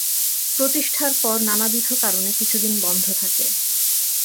প্রতিষ্ঠার পর নানাবিধ কারনে কিছুদিন বন্ধ থাকে।